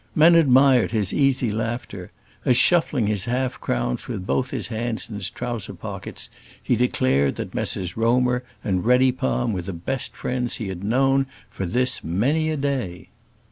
Men admired his easy laughter, as, shuffling his half crowns with both his hands in his trouser pockets, he declared that Messrs Romer and Reddypalm were the best friends he had known for this many a day.